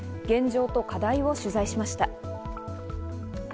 現状と課題を取材しました。